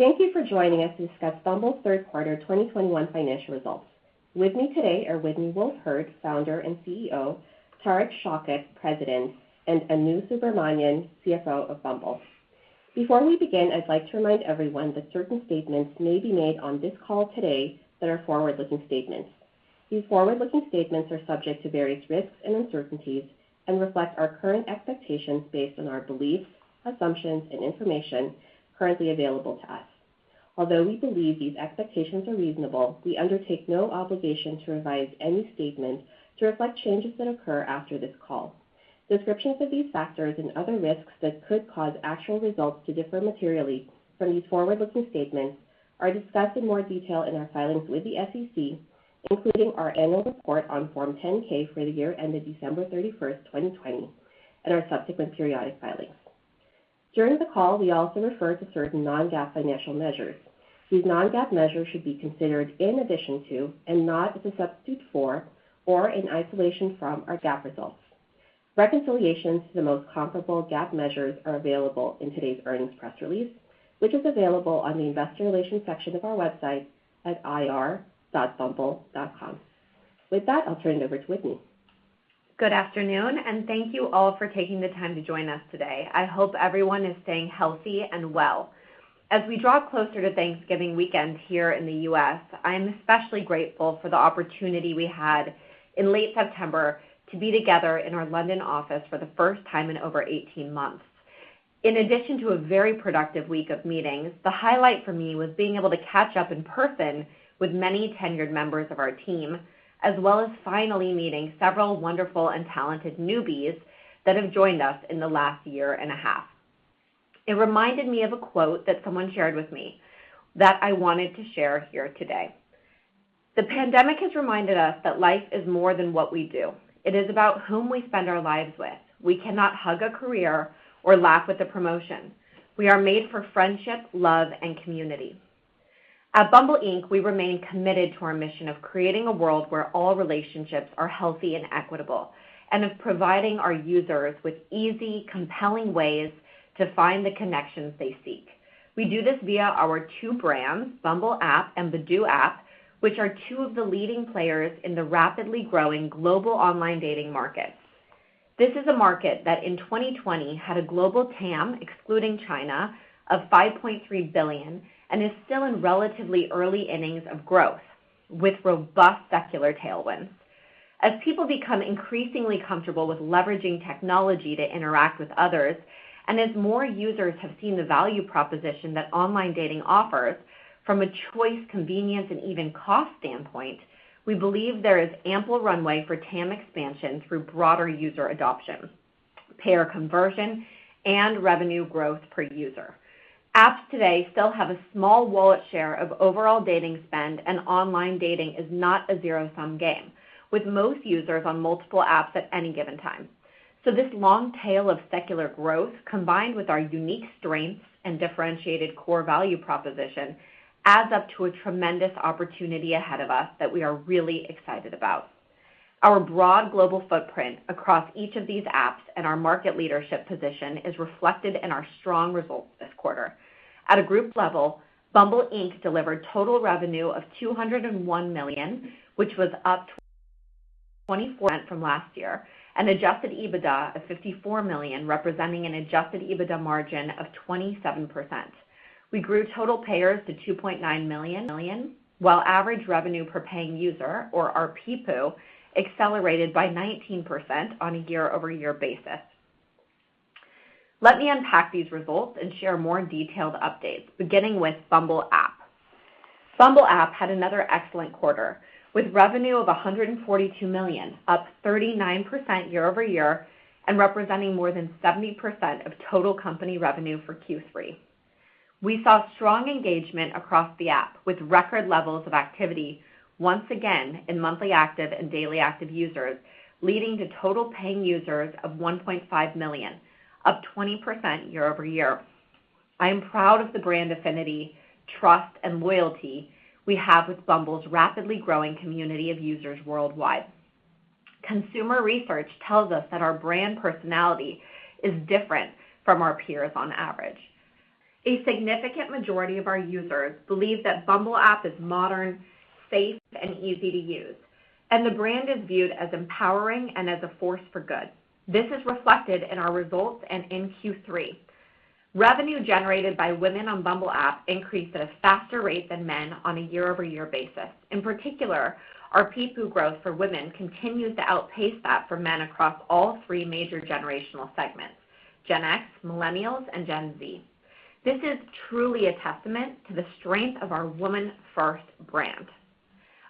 Thank you for joining us to discuss Bumble's Third Quarter 2021 Financial Results. With me today are Whitney Wolfe Herd, Founder and CEO, Tariq Shaukat, President, and Anu Subramanian, CFO of Bumble. Before we begin, I'd like to remind everyone that certain statements may be made on this call today that are forward-looking statements. These forward-looking statements are subject to various risks and uncertainties and reflect our current expectations based on our beliefs, assumptions and information currently available to us. Although we believe these expectations are reasonable, we undertake no obligation to revise any statement to reflect changes that occur after this call. Descriptions of these factors and other risks that could cause actual results to differ materially from these forward-looking statements are discussed in more detail in our filings with the SEC, including our annual report on Form 10-K for the year ended December 31, 2020, and our subsequent periodic filings. During the call, we also refer to certain non-GAAP financial measures. These non-GAAP measures should be considered in addition to and not as a substitute for or in isolation from our GAAP results. Reconciliations to the most comparable GAAP measures are available in today's earnings press release, which is available on the investor relations section of our website at ir.bumble.com. With that, I'll turn it over to Whitney. Good afternoon, and thank you all for taking the time to join us today. I hope everyone is staying healthy and well. As we draw closer to Thanksgiving weekend here in the U.S., I am especially grateful for the opportunity we had in late September to be together in our London office for the first time in over 18 months. In addition to a very productive week of meetings, the highlight for me was being able to catch up in person with many tenured members of our team, as well as finally meeting several wonderful and talented newbies that have joined us in the last year and a half. It reminded me of a quote that someone shared with me that I wanted to share here today. "The pandemic has reminded us that life is more than what we do. It is about whom we spend our lives with. We cannot hug a career or laugh at the promotion. We are made for friendship, love, and community." At Bumble Inc., we remain committed to our mission of creating a world where all relationships are healthy and equitable, and of providing our users with easy, compelling ways to find the connections they seek. We do this via our two brands, Bumble app and Badoo app, which are two of the leading players in the rapidly growing global online dating market. This is a market that in 2020 had a global TAM, excluding China, of $5.3 billion and is still in relatively early innings of growth with robust secular tailwinds. As people become increasingly comfortable with leveraging technology to interact with others, and as more users have seen the value proposition that online dating offers from a choice, convenience, and even cost standpoint, we believe there is ample runway for TAM expansion through broader user adoption, payer conversion, and revenue growth per user. Apps today still have a small wallet share of overall dating spend, and online dating is not a zero-sum game, with most users on multiple apps at any given time. This long tail of secular growth, combined with our unique strengths and differentiated core value proposition, adds up to a tremendous opportunity ahead of us that we are really excited about. Our broad global footprint across each of these apps and our market leadership position is reflected in our strong results this quarter. At a group level, Bumble Inc. delivered total revenue of $201 million, which was up 24% from last year, and Adjusted EBITDA of $54 million, representing an Adjusted EBITDA margin of 27%. We grew total payers to 2.9 million, while average revenue per paying user, or RPPU, accelerated by 19% on a year-over-year basis. Let me unpack these results and share more detailed updates, beginning with Bumble app. Bumble app had another excellent quarter, with revenue of $142 million, up 39% year-over-year and representing more than 70% of total company revenue for Q3. We saw strong engagement across the app, with record levels of activity once again in monthly active and daily active users, leading to total paying users of 1.5 million, up 20% year-over-year. I am proud of the brand affinity, trust, and loyalty we have with Bumble's rapidly growing community of users worldwide. Consumer research tells us that our brand personality is different from our peers on average. A significant majority of our users believe that Bumble app is modern, safe, and easy to use, and the brand is viewed as empowering and as a force for good. This is reflected in our results and in Q3. Revenue generated by women on Bumble app increased at a faster rate than men on a year-over-year basis. In particular, our ARPPU growth for women continued to outpace that for men across all three major generational segments, Gen X, millennials, and Gen Z. This is truly a testament to the strength of our Women First brand.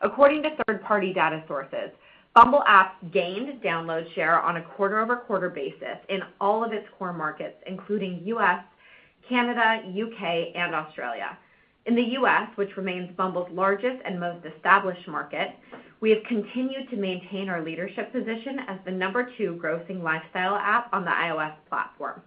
According to third-party data sources, Bumble apps gained download share on a quarter-over-quarter basis in all of its core markets, including U.S., Canada, U.K., and Australia. In the U.S., which remains Bumble's largest and most established market, we have continued to maintain our leadership position as the number two grossing lifestyle app on the iOS platform.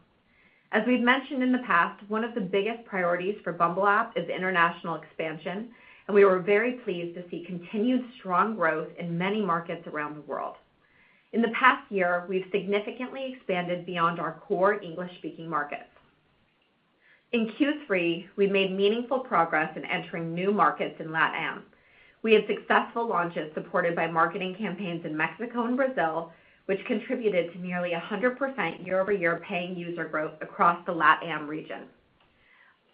As we've mentioned in the past, one of the biggest priorities for Bumble app is international expansion, and we were very pleased to see continued strong growth in many markets around the world. In the past year, we've significantly expanded beyond our core English-speaking markets. In Q3, we made meaningful progress in entering new markets in LatAm. We had successful launches supported by marketing campaigns in Mexico and Brazil, which contributed to nearly 100% year-over-year paying user growth across the LatAm region.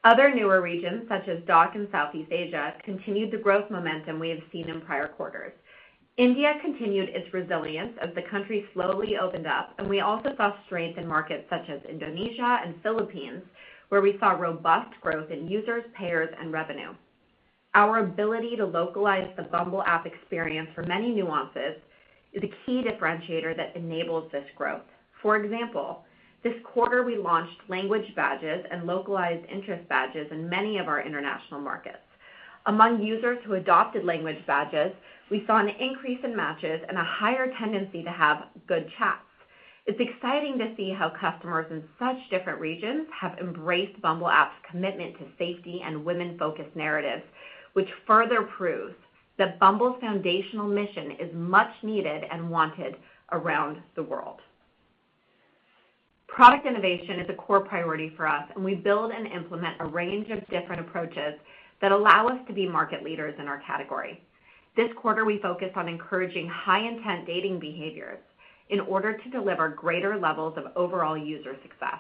Other newer regions, such as DACH and Southeast Asia, continued the growth momentum we have seen in prior quarters. India continued its resilience as the country slowly opened up, and we also saw strength in markets such as Indonesia and Philippines, where we saw robust growth in users, payers, and revenue. Our ability to localize the Bumble app experience for many nuances is a key differentiator that enables this growth. For example, this quarter we launched language badges and localized interest badges in many of our international markets. Among users who adopted language badges, we saw an increase in matches and a higher tendency to have good chats. It's exciting to see how customers in such different regions have embraced Bumble app's commitment to safety and women-focused narratives, which further proves that Bumble's foundational mission is much needed and wanted around the world. Product innovation is a core priority for us, and we build and implement a range of different approaches that allow us to be market leaders in our category. This quarter, we focused on encouraging high-intent dating behaviors in order to deliver greater levels of overall user success.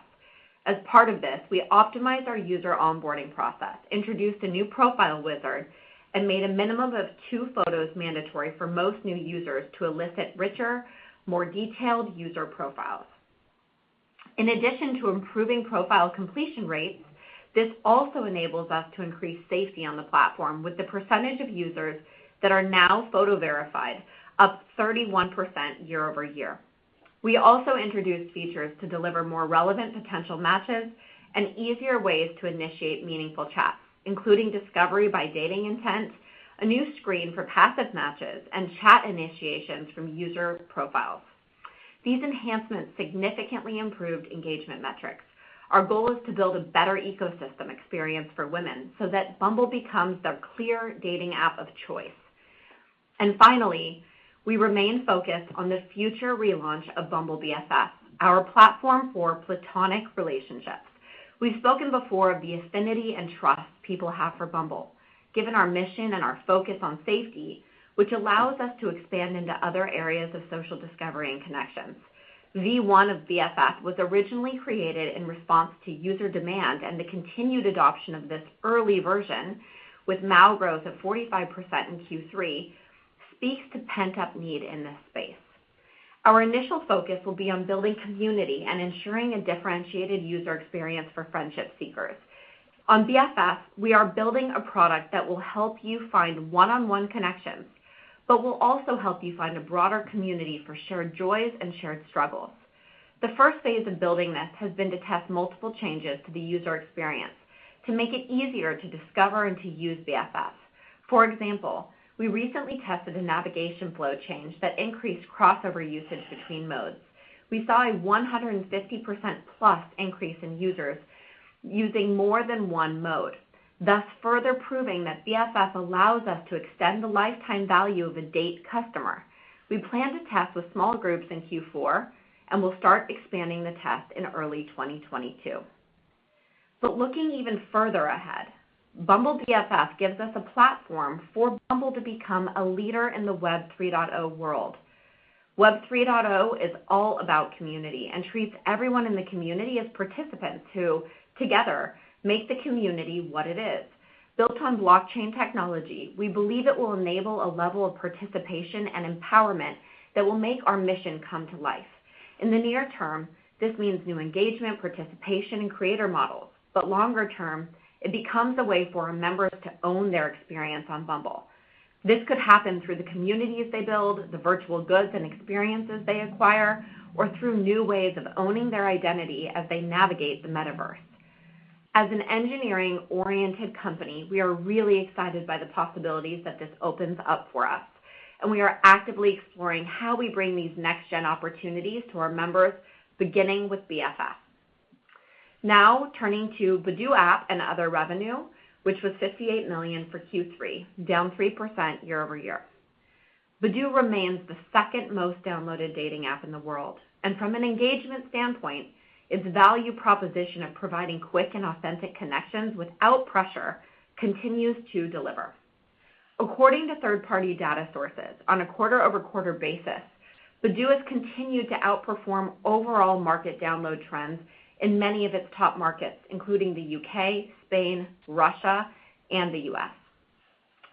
As part of this, we optimized our user onboarding process, introduced a new profile wizard, and made a minimum of two photos mandatory for most new users to elicit richer, more detailed user profiles. In addition to improving profile completion rates, this also enables us to increase safety on the platform with the percentage of users that are now photo-verified, up 31% year-over-year. We also introduced features to deliver more relevant potential matches and easier ways to initiate meaningful chats, including discovery by dating intent, a new screen for passive matches, and chat initiations from user profiles. These enhancements significantly improved engagement metrics. Our goal is to build a better ecosystem experience for women so that Bumble becomes their clear dating app of choice. Finally, we remain focused on the future relaunch of Bumble BFF, our platform for platonic relationships. We've spoken before of the affinity and trust people have for Bumble, given our mission and our focus on safety, which allows us to expand into other areas of social discovery and connections. V1 of BFF was originally created in response to user demand and the continued adoption of this early version with MAU growth of 45% in Q3 speaks to pent-up need in this space. Our initial focus will be on building community and ensuring a differentiated user experience for friendship seekers. On BFF, we are building a product that will help you find one-on-one connections, but will also help you find a broader community for shared joys and shared struggles. The first phase of building this has been to test multiple changes to the user experience to make it easier to discover and to use BFF. For example, we recently tested a navigation flow change that increased crossover usage between modes. We saw a 150%+ increase in users using more than one mode, thus further proving that BFF allows us to extend the lifetime value of a date customer. We plan to test with small groups in Q4, and we'll start expanding the test in early 2022. Looking even further ahead, Bumble BFF gives us a platform for Bumble to become a leader in the Web 3.0 world. Web 3.0 is all about community and treats everyone in the community as participants who, together, make the community what it is. Built on blockchain technology, we believe it will enable a level of participation and empowerment that will make our mission come to life. In the near term, this means new engagement, participation, and creator models. Longer term, it becomes a way for our members to own their experience on Bumble. This could happen through the communities they build, the virtual goods and experiences they acquire, or through new ways of owning their identity as they navigate the metaverse. As an engineering-oriented company, we are really excited by the possibilities that this opens up for us, and we are actively exploring how we bring these next-gen opportunities to our members, beginning with BFF. Now turning to Badoo app and other revenue, which was $58 million for Q3, down 3% year-over-year. Badoo remains the second most downloaded dating app in the world. From an engagement standpoint, its value proposition of providing quick and authentic connections without pressure continues to deliver. According to third-party data sources, on a quarter-over-quarter basis, Badoo has continued to outperform overall market download trends in many of its top markets, including the U.K., Spain, Russia, and the U.S.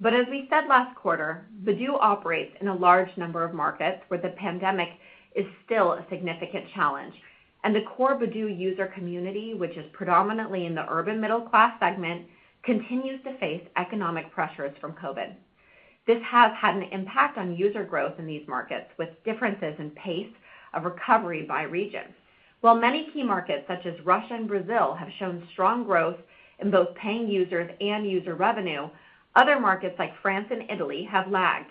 As we said last quarter, Badoo operates in a large number of markets where the pandemic is still a significant challenge, and the core Badoo user community, which is predominantly in the urban middle-class segment, continues to face economic pressures from COVID. This has had an impact on user growth in these markets, with differences in pace of recovery by region. While many key markets, such as Russia and Brazil, have shown strong growth in both paying users and user revenue, other markets like France and Italy have lagged.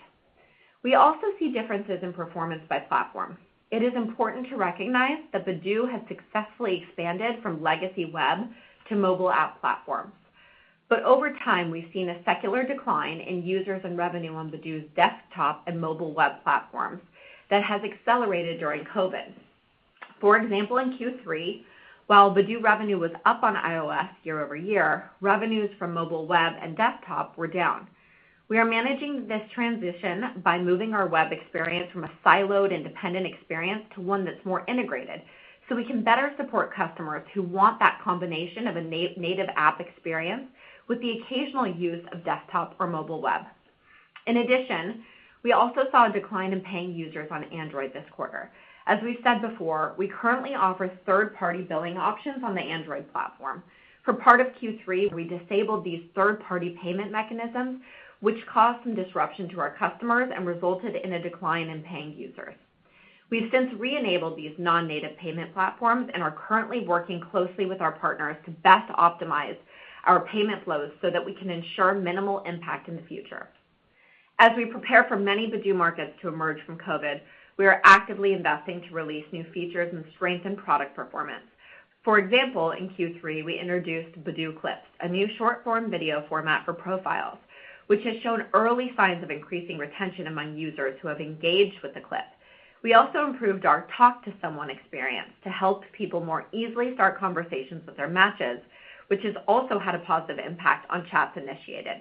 We also see differences in performance by platform. It is important to recognize that Badoo has successfully expanded from legacy web to mobile app platforms. Over time, we've seen a secular decline in users and revenue on Badoo's desktop and mobile web platforms that has accelerated during COVID. For example, in Q3, while Badoo revenue was up on iOS year-over-year, revenues from mobile web and desktop were down. We are managing this transition by moving our web experience from a siloed independent experience to one that's more integrated, so we can better support customers who want that combination of a native app experience with the occasional use of desktop or mobile web. In addition, we also saw a decline in paying users on Android this quarter. As we've said before, we currently offer third-party billing options on the Android platform. For part of Q3, we disabled these third-party payment mechanisms, which caused some disruption to our customers and resulted in a decline in paying users. We've since re-enabled these non-native payment platforms and are currently working closely with our partners to best optimize our payment flows so that we can ensure minimal impact in the future. As we prepare for many Badoo markets to emerge from COVID, we are actively investing to release new features and strengthen product performance. For example, in Q3, we introduced Badoo Clips, a new short-form video format for profiles, which has shown early signs of increasing retention among users who have engaged with the clip. We also improved our Talk to someone experience to help people more easily start conversations with their matches, which has also had a positive impact on chats initiated.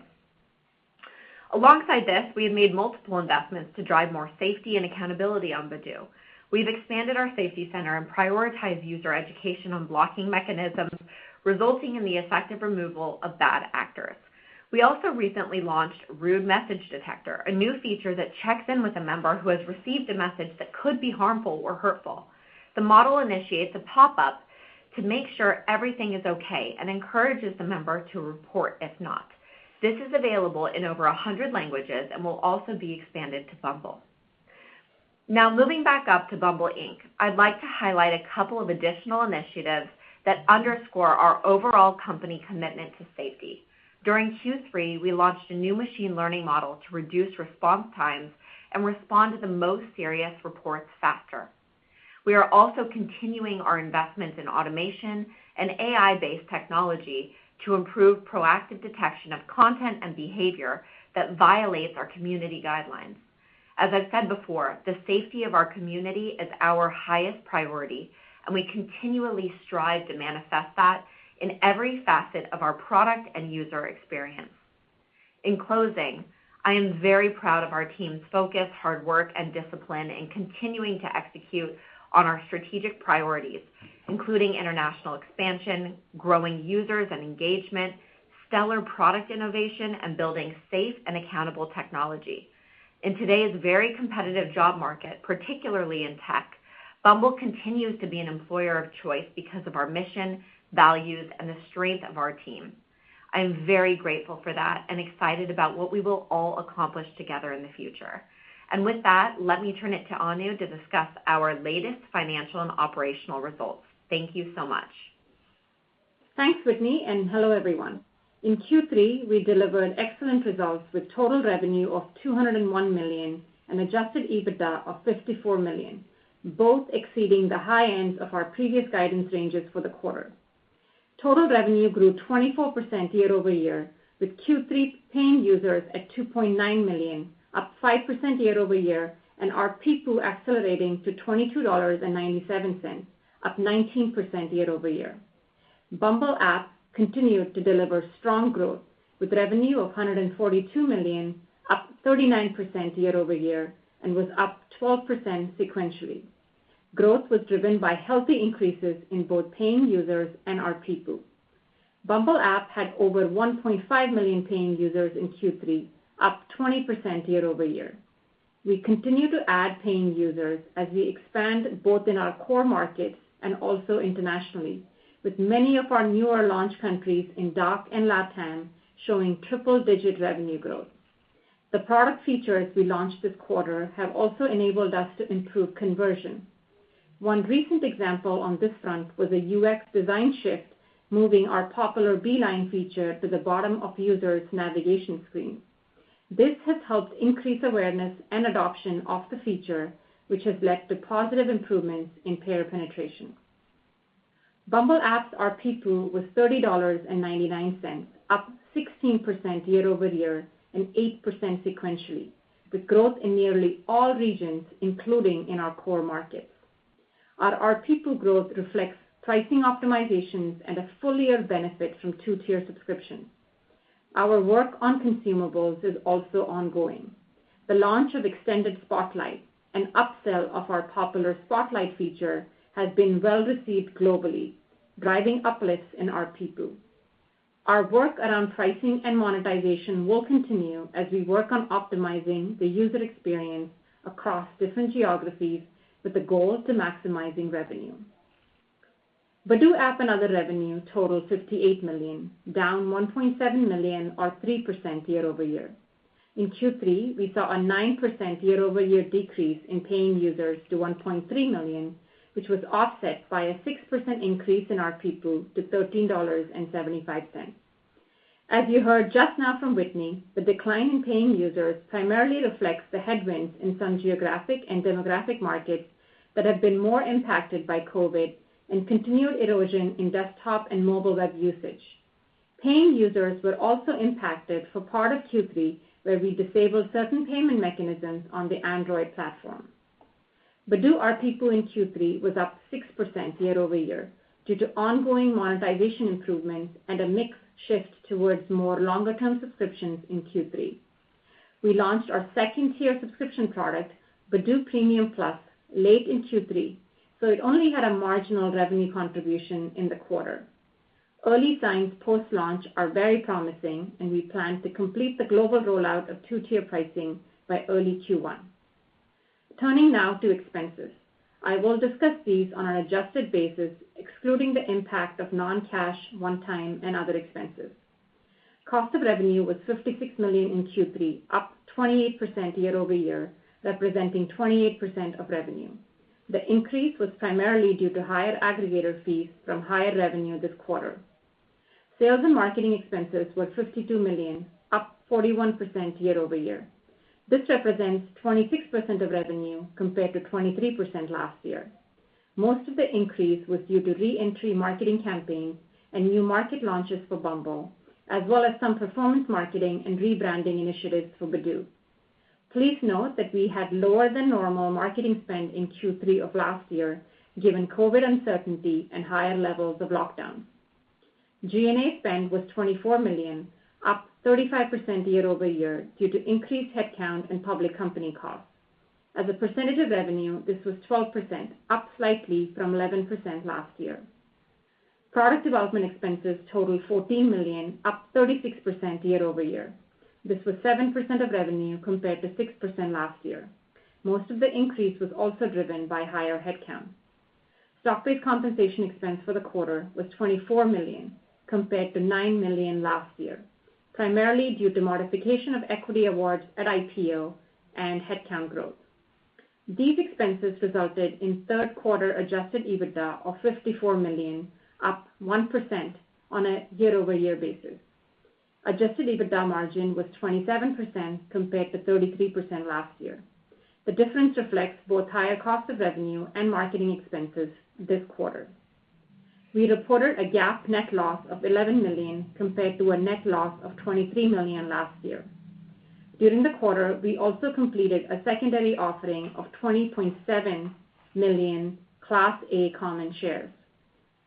Alongside this, we have made multiple investments to drive more safety and accountability on Badoo. We've expanded our safety center and prioritized user education on blocking mechanisms, resulting in the effective removal of bad actors. We also recently launched Rude Message Detector, a new feature that checks in with a member who has received a message that could be harmful or hurtful. The model initiates a pop-up to make sure everything is okay and encourages the member to report if not. This is available in over a hundred languages and will also be expanded to Bumble. Now, moving back up to Bumble Inc., I'd like to highlight a couple of additional initiatives that underscore our overall company commitment to safety. During Q3, we launched a new machine learning model to reduce response times and respond to the most serious reports faster. We are also continuing our investments in automation and AI-based technology to improve proactive detection of content and behavior that violates our community guidelines. As I've said before, the safety of our community is our highest priority, and we continually strive to manifest that in every facet of our product and user experience. In closing, I am very proud of our team's focus, hard work, and discipline in continuing to execute on our strategic priorities, including international expansion, growing users and engagement, stellar product innovation, and building safe and accountable technology. In today's very competitive job market, particularly in tech, Bumble continues to be an employer of choice because of our mission, values, and the strength of our team. I am very grateful for that and excited about what we will all accomplish together in the future. With that, let me turn it to Anu to discuss our latest financial and operational results. Thank you so much. Thanks, Whitney, and hello, everyone. In Q3, we delivered excellent results with total revenue of $201 million and Adjusted EBITDA of $54 million, both exceeding the high ends of our previous guidance ranges for the quarter. Total revenue grew 24% year-over-year, with Q3 paying users at 2.9 million, up 5% year-over-year, and our PPOU accelerating to $22.97, up 19% year-over-year. Bumble App continued to deliver strong growth with revenue of $142 million, up 39% year-over-year and was up 12% sequentially. Growth was driven by healthy increases in both paying users and our PPOU. Bumble App had over 1.5 million paying users in Q3, up 20% year-over-year. We continue to add paying users as we expand both in our core markets and also internationally, with many of our newer launch countries in DACH and LatAm showing triple-digit revenue growth. The product features we launched this quarter have also enabled us to improve conversion. One recent example on this front was a UX design shift, moving our popular Beeline feature to the bottom of users' navigation screen. This has helped increase awareness and adoption of the feature, which has led to positive improvements in payer penetration. Bumble Apps, our PPOU, was $30.99, up 16% year-over-year and 8% sequentially, with growth in nearly all regions, including in our core markets. Our PPOU growth reflects pricing optimizations and a full-year benefit from two-tier subscription. Our work on consumables is also ongoing. The launch of Extended Spotlight, an upsell of our popular Spotlight feature, has been well-received globally, driving uplifts in our PPOU. Our work around pricing and monetization will continue as we work on optimizing the user experience across different geographies with the goal to maximizing revenue. Badoo app and other revenue totaled $58 million, down $1.7 million or 3% year-over-year. In Q3, we saw a 9% year-over-year decrease in paying users to 1.3 million, which was offset by a 6% increase in our PPOU to $13.75. As you heard just now from Whitney, the decline in paying users primarily reflects the headwinds in some geographic and demographic markets that have been more impacted by COVID and continued erosion in desktop and mobile web usage. Paying users were also impacted for part of Q3, where we disabled certain payment mechanisms on the Android platform. Badoo ARPU in Q3 was up 6% year-over-year due to ongoing monetization improvements and a mix shift towards more longer-term subscriptions in Q3. We launched our second-tier subscription product, Badoo Premium Plus, late in Q3, so it only had a marginal revenue contribution in the quarter. Early signs post-launch are very promising, and we plan to complete the global rollout of two-tier pricing by early Q1. Turning now to expenses. I will discuss these on an adjusted basis, excluding the impact of non-cash, one-time, and other expenses. Cost of revenue was $56 million in Q3, up 28% year-over-year, representing 28% of revenue. The increase was primarily due to higher aggregator fees from higher revenue this quarter. Sales and marketing expenses were $52 million, up 41% year-over-year. This represents 26% of revenue compared to 23% last year. Most of the increase was due to re-entry marketing campaigns and new market launches for Bumble, as well as some performance marketing and rebranding initiatives for Badoo. Please note that we had lower than normal marketing spend in Q3 of last year, given COVID uncertainty and higher levels of lockdown. G&A spend was $24 million, up 35% year-over-year due to increased headcount and public company costs. As a percentage of revenue, this was 12%, up slightly from 11% last year. Product development expenses totaled $14 million, up 36% year-over-year. This was 7% of revenue compared to 6% last year. Most of the increase was also driven by higher headcount. Stock-based compensation expense for the quarter was $24 million compared to $9 million last year, primarily due to modification of equity awards at IPO and headcount growth. These expenses resulted in third quarter Adjusted EBITDA of $54 million, up 1% on a year-over-year basis. Adjusted EBITDA margin was 27% compared to 33% last year. The difference reflects both higher cost of revenue and marketing expenses this quarter. We reported a GAAP net loss of $11 million compared to a net loss of $23 million last year. During the quarter, we also completed a secondary offering of 20.7 million Class A common shares.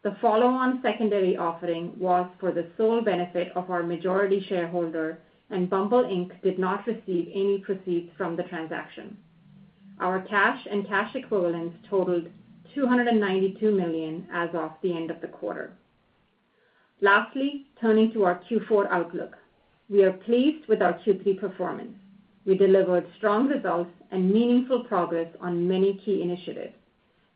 The follow-on secondary offering was for the sole benefit of our majority shareholder, and Bumble Inc. did not receive any proceeds from the transaction. Our cash and cash equivalents totaled $292 million as of the end of the quarter. Lastly, turning to our Q4 outlook. We are pleased with our Q3 performance. We delivered strong results and meaningful progress on many key initiatives.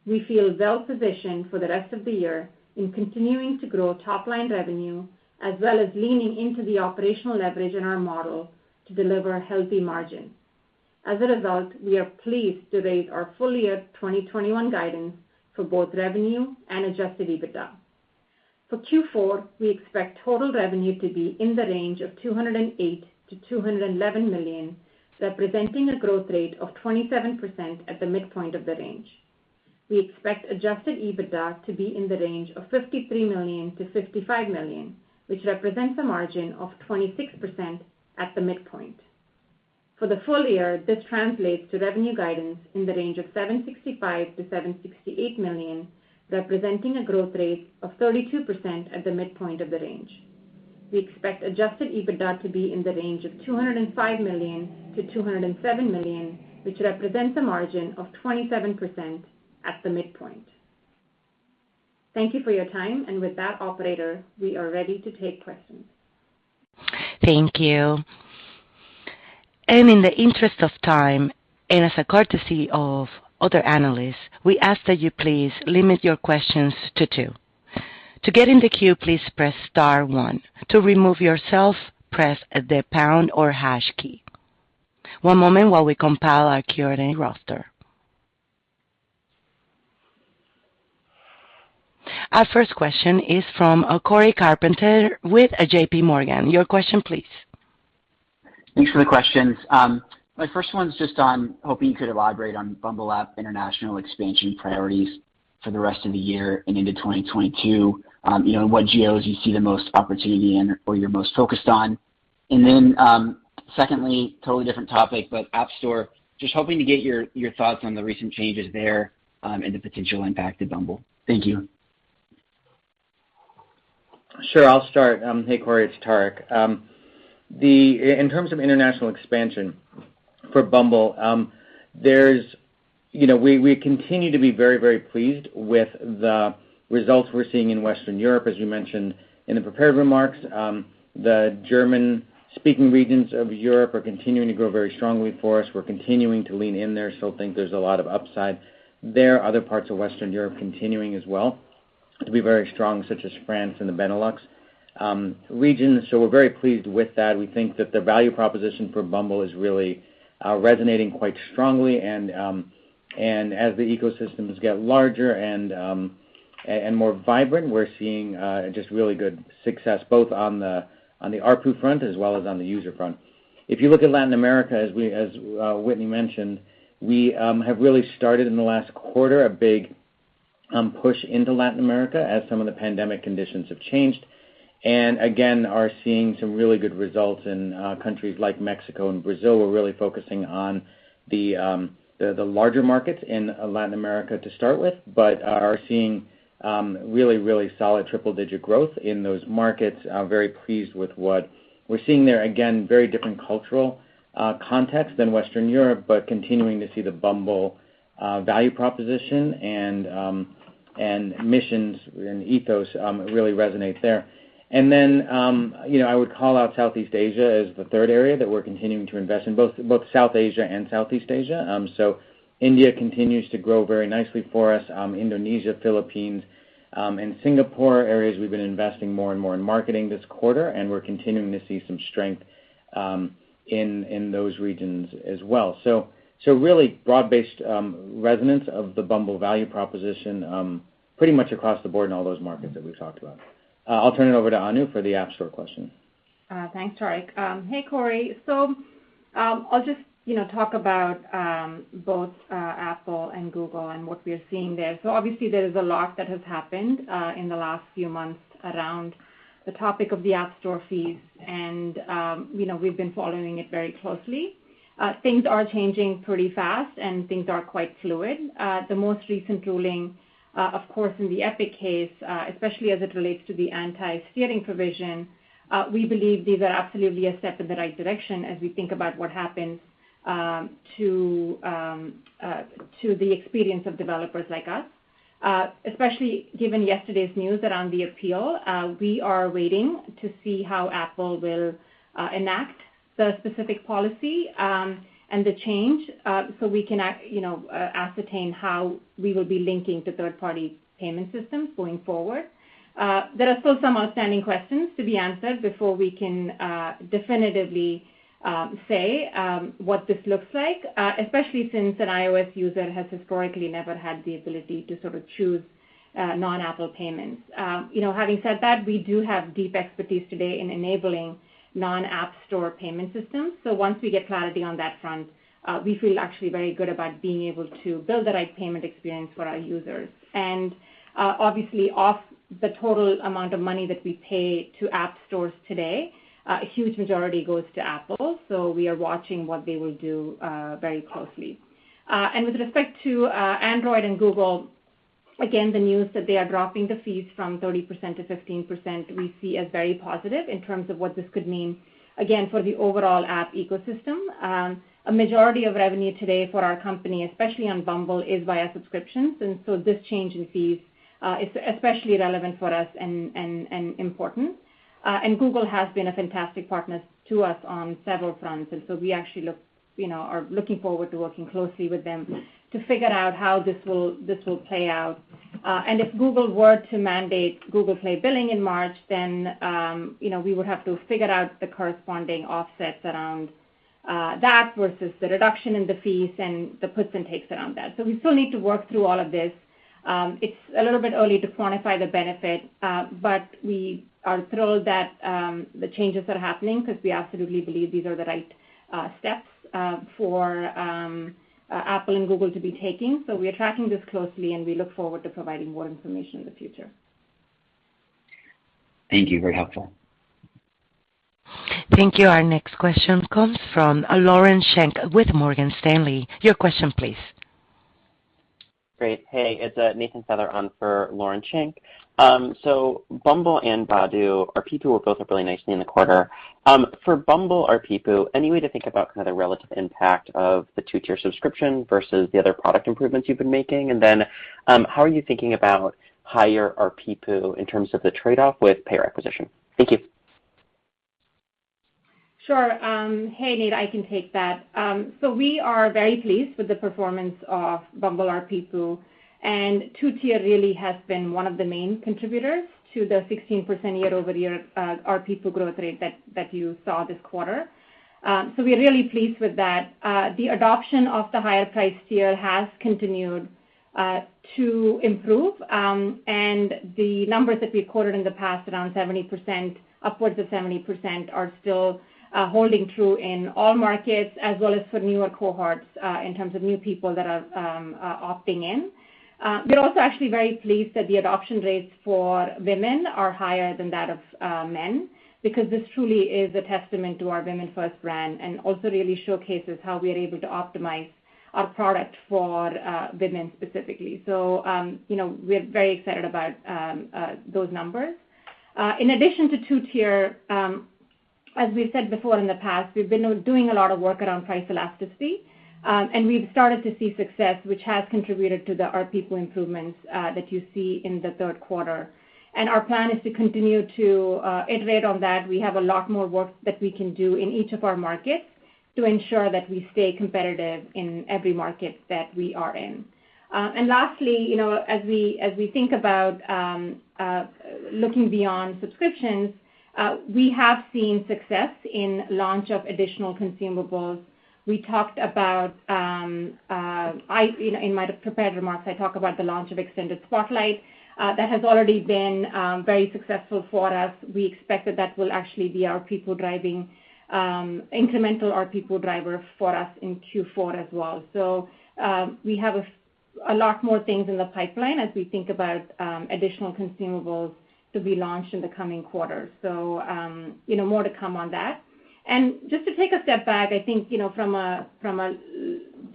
We feel well positioned for the rest of the year in continuing to grow top-line revenue, as well as leaning into the operational leverage in our model to deliver healthy margin. As a result, we are pleased to raise our full-year 2021 guidance for both revenue and Adjusted EBITDA. For Q4, we expect total revenue to be in the range of $208 million-$211 million, representing a growth rate of 27% at the midpoint of the range. We expect Adjusted EBITDA to be in the range of $53 million-$55 million, which represents a margin of 26% at the midpoint. For the full year, this translates to revenue guidance in the range of $765 million-$768 million, representing a growth rate of 32% at the midpoint of the range. We expect Adjusted EBITDA to be in the range of $205 million-$207 million, which represents a margin of 27% at the midpoint. Thank you for your time, and with that, operator, we are ready to take questions. Thank you. In the interest of time, and as a courtesy to other analysts, we ask that you please limit your questions to two. To get in the queue, please press star one. To remove yourself, press the pound or hash key. One moment while we compile our Q&A roster. Our first question is from Cory Carpenter with JP Morgan. Your question, please. Thanks for the questions. My first one is just on hoping you could elaborate on Bumble app international expansion priorities for the rest of the year and into 2022. You know, what geos you see the most opportunity in or you're most focused on. Then, secondly, totally different topic, but App Store, just hoping to get your thoughts on the recent changes there, and the potential impact to Bumble. Thank you. Sure. I'll start. Hey, Cory, it's Tariq. In terms of international expansion for Bumble, you know, we continue to be very pleased with the results we're seeing in Western Europe. As you mentioned in the prepared remarks, the German-speaking regions of Europe are continuing to grow very strongly for us. We're continuing to lean in there, still think there's a lot of upside there. Other parts of Western Europe continuing as well to be very strong, such as France and the Benelux region. We're very pleased with that. We think that the value proposition for Bumble is really resonating quite strongly. As the ecosystems get larger and more vibrant, we're seeing just really good success, both on the ARPU front as well as on the user front. If you look at Latin America, as we, Whitney mentioned, we have really started in the last quarter a big push into Latin America as some of the pandemic conditions have changed. Again, we are seeing some really good results in countries like Mexico and Brazil. We're really focusing on the larger markets in Latin America to start with, but we are seeing really solid triple-digit growth in those markets. Very pleased with what we're seeing there. Again, very different cultural context than Western Europe, but we're continuing to see the Bumble value proposition and missions and ethos really resonate there. You know, I would call out Southeast Asia as the third area that we're continuing to invest in, both South Asia and Southeast Asia. India continues to grow very nicely for us. Indonesia, Philippines, and Singapore are areas we've been investing more and more in marketing this quarter, and we're continuing to see some strength in those regions as well. Really broad-based resonance of the Bumble value proposition pretty much across the board in all those markets that we've talked about. I'll turn it over to Anu for the App Store question. Thanks, Tariq. Hey, Cory. I'll just, you know, talk about both Apple and Google and what we are seeing there. Obviously there is a lot that has happened in the last few months around the topic of the App Store fees and, you know, we've been following it very closely. Things are changing pretty fast, and things are quite fluid. The most recent ruling, of course in the Epic case, especially as it relates to the anti-steering provision, we believe these are absolutely a step in the right direction as we think about what happens to the experience of developers like us. Especially given yesterday's news around the appeal, we are waiting to see how Apple will enact the specific policy and the change, so we can, you know, ascertain how we will be linking to third-party payment systems going forward. There are still some outstanding questions to be answered before we can definitively say what this looks like, especially since an iOS user has historically never had the ability to sort of choose non-Apple payments. You know, having said that, we do have deep expertise today in enabling non-App Store payment systems. So once we get clarity on that front, we feel actually very good about being able to build the right payment experience for our users. Obviously of the total amount of money that we pay to app stores today, a huge majority goes to Apple, so we are watching what they will do very closely. With respect to Android and Google, again, the news that they are dropping the fees from 30%-15% we see as very positive in terms of what this could mean, again, for the overall app ecosystem. A majority of revenue today for our company, especially on Bumble, is via subscriptions, and so this change in fees is especially relevant for us and important. Google has been a fantastic partner to us on several fronts, and so we actually are looking forward to working closely with them to figure out how this will play out. If Google were to mandate Google Play billing in March, then, you know, we would have to figure out the corresponding offsets around that versus the reduction in the fees and the puts and takes around that. We still need to work through all of this. It's a little bit early to quantify the benefit, but we are thrilled that the changes are happening 'cause we absolutely believe these are the right steps for Apple and Google to be taking. We are tracking this closely, and we look forward to providing more information in the future. Thank you. Very helpful. Thank you. Our next question comes from Lauren Schenk with Morgan Stanley. Your question please. Great. Hey, it's Nathan Feather on for Lauren Schenk. Bumble and Badoo, our PPOU, are both up really nicely in the quarter. For Bumble, our PPOU, any way to think about kind of the relative impact of the two-tier subscription versus the other product improvements you've been making? How are you thinking about higher PPOU in terms of the trade-off with payer acquisition? Thank you. Sure. Hey, Nate, I can take that. We are very pleased with the performance of Bumble, our PPOU, and two-tier really has been one of the main contributors to the 16% year-over-year our PPOU growth rate that you saw this quarter. We're really pleased with that. The adoption of the higher priced tier has continued to improve. The numbers that we quoted in the past, around 70%, upwards of 70%, are still holding true in all markets as well as for newer cohorts, in terms of new people that are opting in. We're also actually very pleased that the adoption rates for women are higher than that of men because this truly is a testament to our women-first brand and also really showcases how we are able to optimize our product for women specifically. You know, we're very excited about those numbers. In addition to two-tier, as we've said before in the past, we've been doing a lot of work around price elasticity, and we've started to see success, which has contributed to the PPOU improvements that you see in the third quarter. Our plan is to continue to iterate on that. We have a lot more work that we can do in each of our markets to ensure that we stay competitive in every market that we are in. Lastly, you know, as we think about looking beyond subscriptions, we have seen success in the launch of additional consumables. We talked about in my prepared remarks, I talk about the launch of Extended Spotlight, that has already been very successful for us. We expect that will actually be a powerful incremental RPPU driver for us in Q4 as well. More to come on that. Just to take a step back, I think you know, from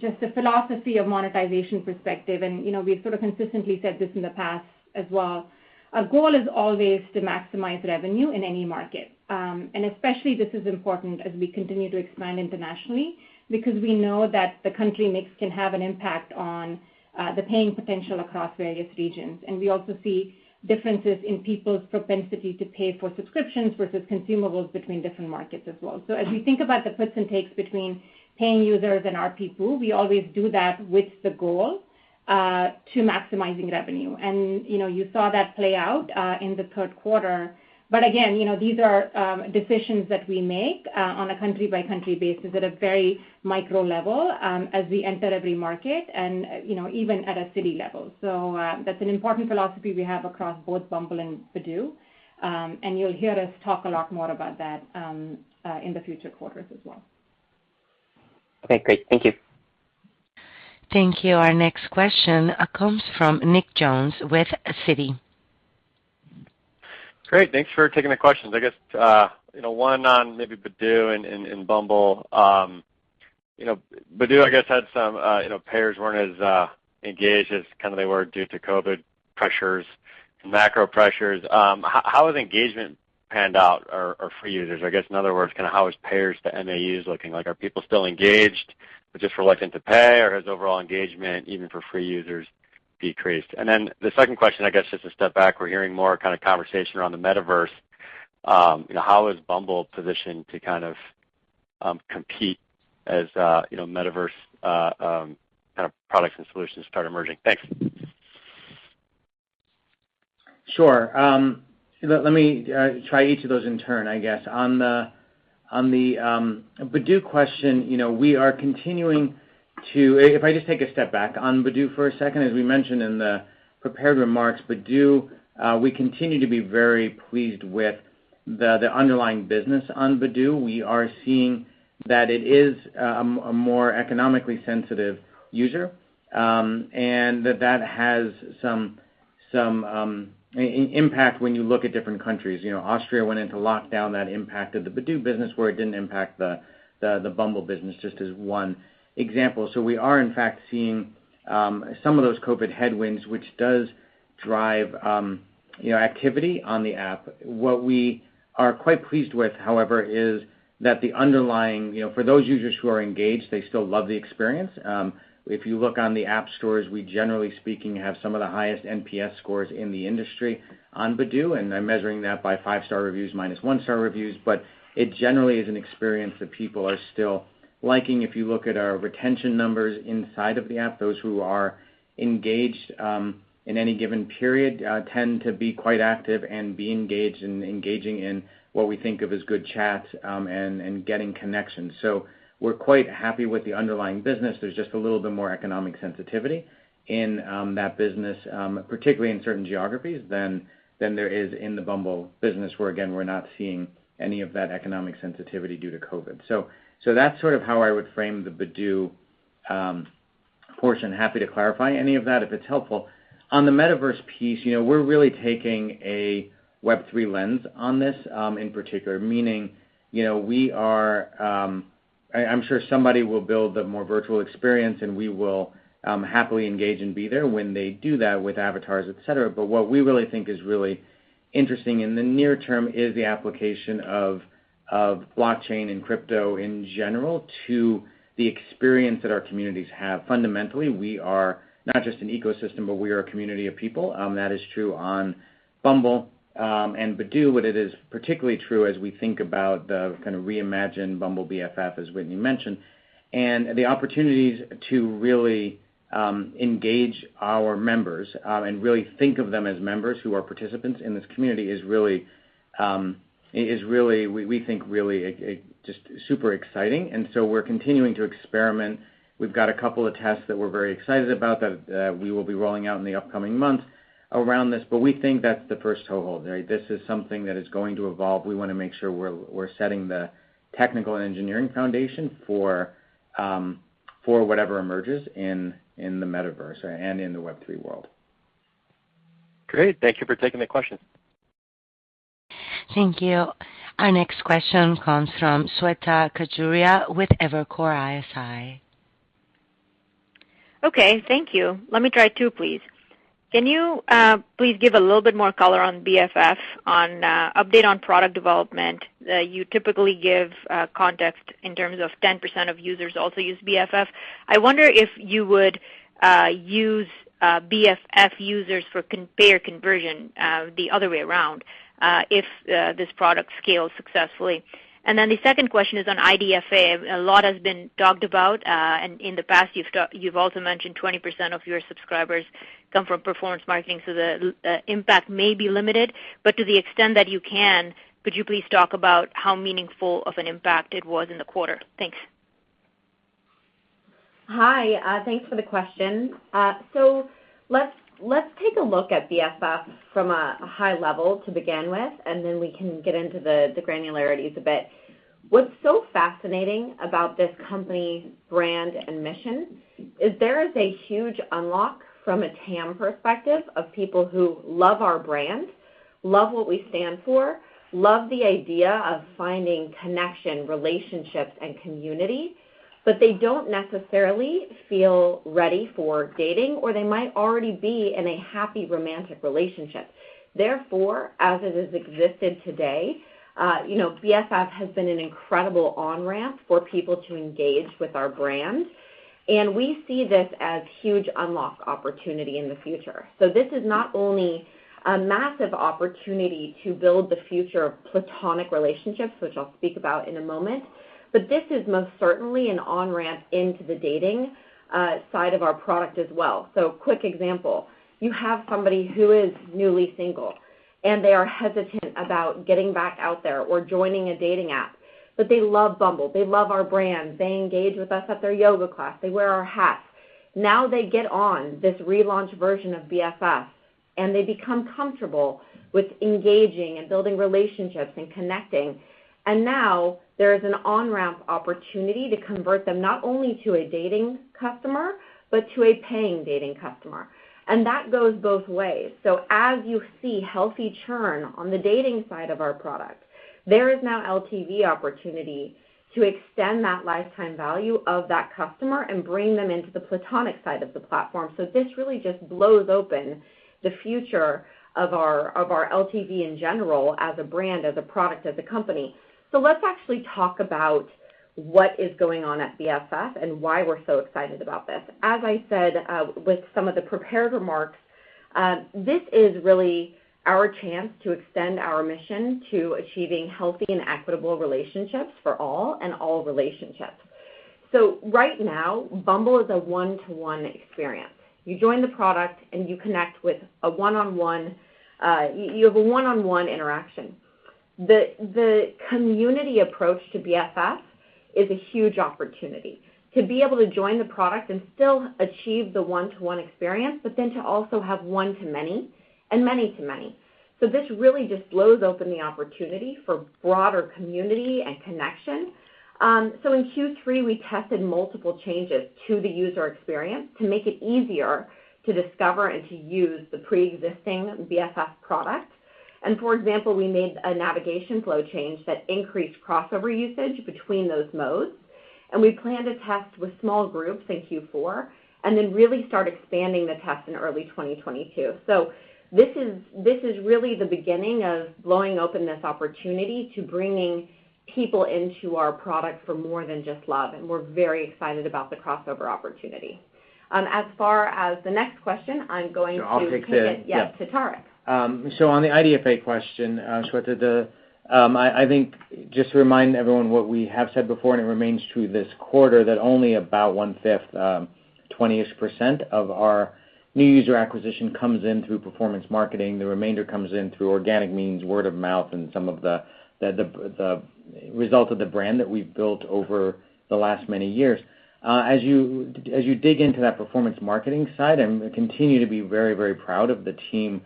just a philosophy of monetization perspective, and we've sort of consistently said this in the past as well. Our goal is always to maximize revenue in any market, and especially this is important as we continue to expand internationally because we know that the country mix can have an impact on the paying potential across various regions. We also see differences in people's propensity to pay for subscriptions versus consumables between different markets as well. As we think about the puts and takes between paying users and ARPPU, we always do that with the goal to maximizing revenue. You know, you saw that play out in the third quarter. Again, you know, these are decisions that we make on a country-by-country basis at a very micro level as we enter every market and, you know, even at a city level. That's an important philosophy we have across both Bumble and Badoo. You'll hear us talk a lot more about that in the future quarters as well. Okay, great. Thank you. Thank you. Our next question comes from Nick Jones with Citi. Great. Thanks for taking the questions. I guess, you know, one on maybe Badoo and Bumble. You know, Badoo, I guess, had some, you know, payers weren't as engaged as kind of they were due to COVID pressures, macro pressures. How has engagement panned out or free users? I guess, in other words, kind of how is payers to MAUs looking like? Are people still engaged but just reluctant to pay, or has overall engagement even for free users decreased? Then the second question, I guess, just to step back, we're hearing more kind of conversation around the metaverse. You know, how is Bumble positioned to kind of compete as, you know, metaverse kind of products and solutions start emerging? Thanks. Sure. Let me try each of those in turn, I guess. On the Badoo question, you know, if I just take a step back on Badoo for a second, as we mentioned in the prepared remarks, Badoo, we continue to be very pleased with the underlying business on Badoo. We are seeing that it is a more economically sensitive user, and that has some impact when you look at different countries. You know, Austria went into lockdown that impacted the Badoo business where it didn't impact the Bumble business, just as one example. We are in fact seeing some of those COVID headwinds, which does drive you know activity on the app. What we are quite pleased with, however, is that the underlying, you know, for those users who are engaged, they still love the experience. If you look on the app stores, we generally speaking, have some of the highest NPS scores in the industry on Badoo, and I'm measuring that by five-star reviews minus one-star reviews. But it generally is an experience that people are still liking. If you look at our retention numbers inside of the app, those who are engaged, in any given period, tend to be quite active and be engaged in engaging in what we think of as good chats, and getting connections. We're quite happy with the underlying business. There's just a little bit more economic sensitivity in that business, particularly in certain geographies than there is in the Bumble business, where again, we're not seeing any of that economic sensitivity due to COVID. That's sort of how I would frame the Badoo portion. Happy to clarify any of that, if it's helpful. On the metaverse piece, you know, we're really taking a Web3 lens on this in particular, meaning, you know, we are. I'm sure somebody will build the more virtual experience, and we will happily engage and be there when they do that with avatars, etc. But what we really think is really interesting in the near term is the application of blockchain and crypto in general to the experience that our communities have. Fundamentally, we are not just an ecosystem, but we are a community of people. That is true on Bumble and Badoo, but it is particularly true as we think about the kind of reimagined Bumble BFF, as Whitney mentioned. The opportunities to really engage our members and really think of them as members who are participants in this community is really, we think, really just super exciting. We're continuing to experiment. We've got a couple of tests that we're very excited about that we will be rolling out in the upcoming months around this, but we think that's the first toehold. Right? This is something that is going to evolve. We wanna make sure we're setting the technical and engineering foundation for whatever emerges in the metaverse and in the Web3 world. Great. Thank you for taking the question. Thank you. Our next question comes from Shweta Khajuria with Evercore ISI. Okay, thank you. Let me try two, please. Can you please give a little bit more color on BFF on update on product development? You typically give context in terms of 10% of users also use BFF. I wonder if you would use BFF users for compare conversion the other way around if this product scales successfully. Then the second question is on IDFA. A lot has been talked about and in the past, you've also mentioned 20% of your subscribers come from performance marketing, so the impact may be limited. To the extent that you can, could you please talk about how meaningful of an impact it was in the quarter? Thanks. Hi, thanks for the question. Let's take a look at BFF from a high level to begin with, and then we can get into the granularities a bit. What's so fascinating about this company brand and mission is there is a huge unlock from a TAM perspective of people who love our brand, love what we stand for, love the idea of finding connection, relationships, and community, but they don't necessarily feel ready for dating, or they might already be in a happy romantic relationship. Therefore, as it has existed today, you know, BFF has been an incredible on-ramp for people to engage with our brand, and we see this as huge unlock opportunity in the future. This is not only a massive opportunity to build the future of platonic relationships, which I'll speak about in a moment, but this is most certainly an on-ramp into the dating side of our product as well. Quick example, you have somebody who is newly single, and they are hesitant about getting back out there or joining a dating app. They love Bumble, they love our brand. They engage with us at their yoga class. They wear our hats. Now they get on this relaunched version of BFF, and they become comfortable with engaging and building relationships and connecting. Now there is an on-ramp opportunity to convert them not only to a dating customer, but to a paying dating customer. That goes both ways. As you see healthy churn on the dating side of our product, there is now LTV opportunity to extend that lifetime value of that customer and bring them into the platonic side of the platform. This really just blows open the future of our LTV in general as a brand, as a product, as a company. Let's actually talk about what is going on at BFF and why we're so excited about this. As I said, with some of the prepared remarks, this is really our chance to extend our mission to achieving healthy and equitable relationships for all and all relationships. Right now, Bumble is a one-to-one experience. You join the product and you connect with a one-on-one. You have a one-on-one interaction. The community approach to BFF is a huge opportunity to be able to join the product and still achieve the one-to-one experience, but then to also have one-to-many and many-to-many. This really just blows open the opportunity for broader community and connection. In Q3, we tested multiple changes to the user experience to make it easier to discover and to use the pre-existing BFF product. For example, we made a navigation flow change that increased crossover usage between those modes, and we plan to test with small groups in Q4 and then really start expanding the test in early 2022. This is really the beginning of blowing open this opportunity to bringing people into our product for more than just love, and we're very excited about the crossover opportunity. As far as the next question, I'm going to I'll take the- Yes, to Tariq. On the IDFA question, Shweta, I think just to remind everyone what we have said before, and it remains true this quarter, that only about one-fifth, 20% of our new user acquisition comes in through performance marketing. The remainder comes in through organic means, word of mouth, and some of the result of the brand that we've built over the last many years. As you dig into that performance marketing side and continue to be very, very proud of the team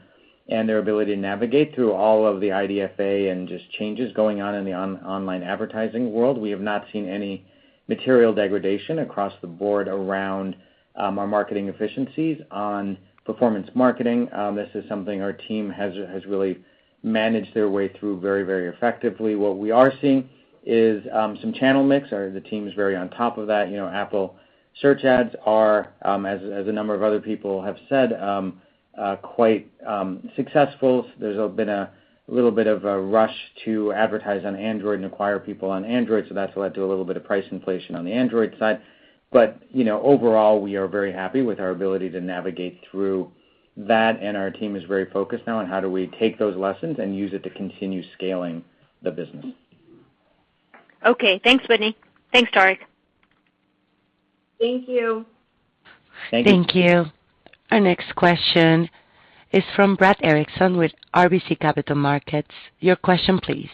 and their ability to navigate through all of the IDFA and just changes going on in the online advertising world, we have not seen any material degradation across the board around our marketing efficiencies on performance marketing. This is something our team has really managed their way through very, very effectively. What we are seeing is some channel mix. Our team is very on top of that. You know, Apple Search Ads are, as a number of other people have said, quite successful. There's been a little bit of a rush to advertise on Android and acquire people on Android, so that's led to a little bit of price inflation on the Android side. You know, overall, we are very happy with our ability to navigate through that, and our team is very focused now on how do we take those lessons and use it to continue scaling the business. Okay. Thanks, Whitney. Thanks, Tariq. Thank you. Thank you. Thank you. Our next question is from Brad Erickson with RBC Capital Markets. Your question, please.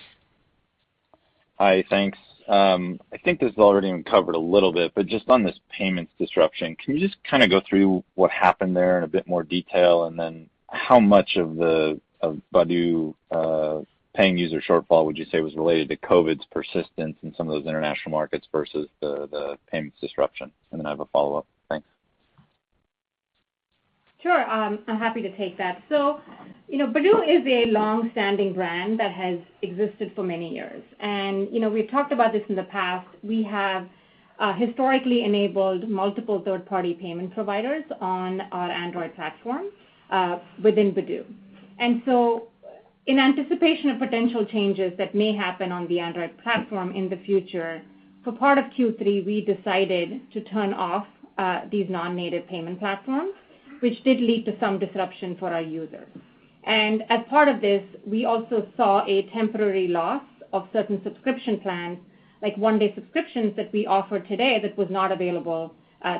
Hi. Thanks. I think this has already been covered a little bit, but just on this payments disruption, can you just kind of go through what happened there in a bit more detail? How much of Badoo paying user shortfall would you say was related to COVID's persistence in some of those international markets versus the payments disruption? I have a follow-up. Thanks. Sure. I'm happy to take that. You know, Badoo is a long-standing brand that has existed for many years. You know, we've talked about this in the past. We have historically enabled multiple third-party payment providers on our Android platform within Badoo. In anticipation of potential changes that may happen on the Android platform in the future, for part of Q3, we decided to turn off these non-native payment platforms, which did lead to some disruption for our users. As part of this, we also saw a temporary loss of certain subscription plans, like one-day subscriptions that we offer today that was not available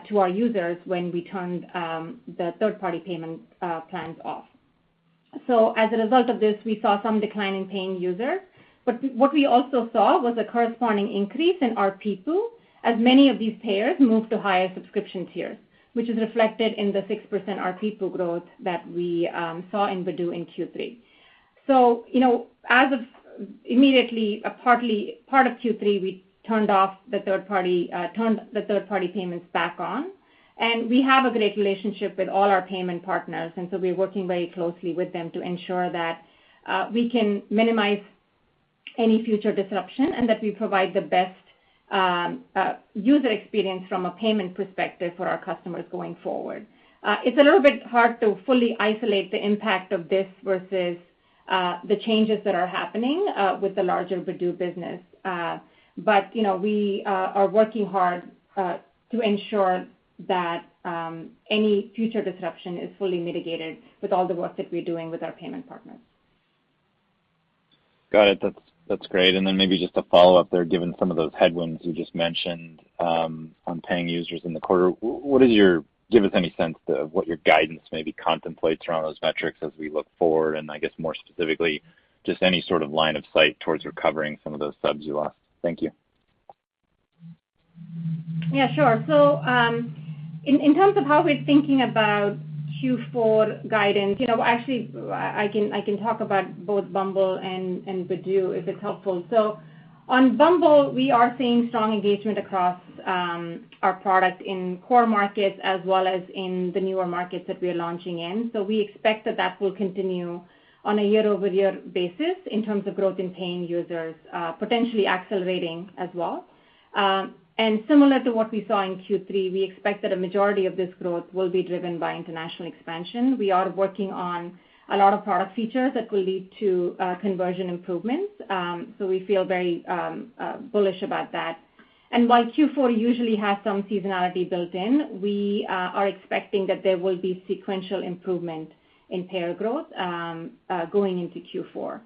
to our users when we turned the third-party payment plans off. As a result of this, we saw some decline in paying users. What we also saw was a corresponding increase in RPPU as many of these payers moved to higher subscription tiers, which is reflected in the 6% RPPU growth that we saw in Badoo in Q3. You know, as of immediately, part of Q3, we turned the third-party payments back on. We have a great relationship with all our payment partners, and so we're working very closely with them to ensure that we can minimize any future disruption and that we provide the best user experience from a payment perspective for our customers going forward. It's a little bit hard to fully isolate the impact of this versus the changes that are happening with the larger Badoo business. you know, we are working hard to ensure that any future disruption is fully mitigated with all the work that we're doing with our payment partners. Got it. That's great. Maybe just a follow-up there, given some of those headwinds you just mentioned, on paying users in the quarter. Give us any sense of what your guidance maybe contemplates around those metrics as we look forward, and I guess more specifically, just any sort of line of sight towards recovering some of those subs you lost. Thank you. Yeah, sure. In terms of how we're thinking about Q4 guidance, you know, actually, I can talk about both Bumble and Badoo, if it's helpful. On Bumble, we are seeing strong engagement across our product in core markets as well as in the newer markets that we are launching in. We expect that will continue on a year-over-year basis in terms of growth in paying users, potentially accelerating as well. Similar to what we saw in Q3, we expect that a majority of this growth will be driven by international expansion. We are working on a lot of product features that will lead to conversion improvements. We feel very bullish about that. While Q4 usually has some seasonality built in, we are expecting that there will be sequential improvement in payer growth going into Q4.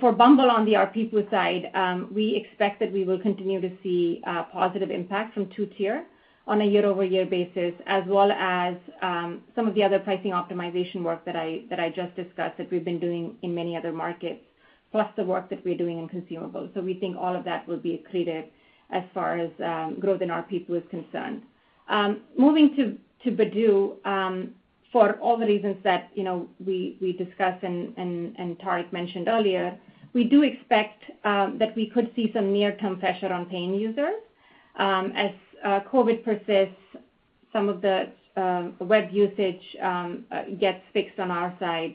For Bumble on the RPPU side, we expect that we will continue to see positive impact from two-tier on a year-over-year basis, as well as some of the other pricing optimization work that I just discussed that we've been doing in many other markets, plus the work that we're doing in consumables. We think all of that will be accretive as far as growth in RPPU is concerned. Moving to Badoo, for all the reasons that you know we discussed and Tariq mentioned earlier, we do expect that we could see some near-term pressure on paying users. COVID persists, some of the web usage gets fixed on our side.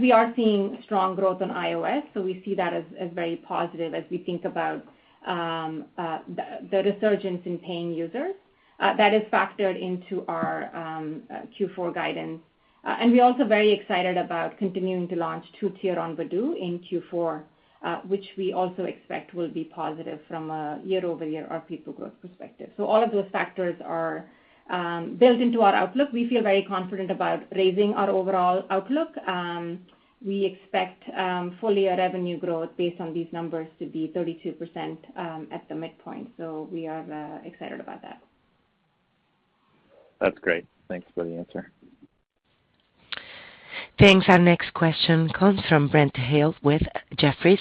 We are seeing strong growth on iOS, so we see that as very positive as we think about the resurgence in paying users. That is factored into our Q4 guidance. We're also very excited about continuing to launch two-tier on Badoo in Q4, which we also expect will be positive from a year-over-year RPPU growth perspective. All of those factors are built into our outlook. We feel very confident about raising our overall outlook. We expect full-year revenue growth based on these numbers to be 32% at the midpoint. We are excited about that. That's great. Thanks for the answer. Thanks. Our next question comes from Brent Thill with Jefferies.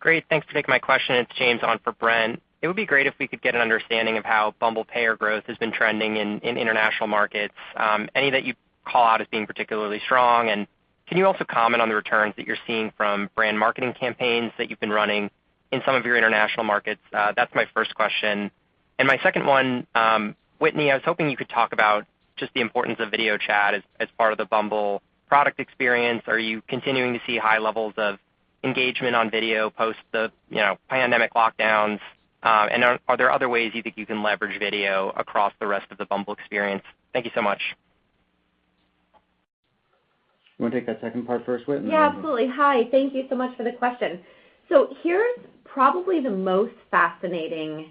Great. Thanks. Taking my question, it's James on for Brent. It would be great if we could get an understanding of how Bumble payer growth has been trending in international markets, any that you call out as being particularly strong. Can you also comment on the returns that you're seeing from brand marketing campaigns that you've been running in some of your international markets? That's my first question. My second one, Whitney, I was hoping you could talk about just the importance of video chat as part of the Bumble product experience. Are you continuing to see high levels of engagement on video post the, you know, pandemic lockdowns? And are there other ways you think you can leverage video across the rest of the Bumble experience? Thank you so much. Wanna take that second part first, Whit? Yeah, absolutely. Hi. Thank you so much for the question. Here's probably the most fascinating